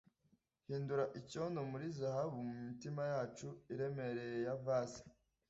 Hindura icyondo muri zahabu mumitima yacu iremereye ya vase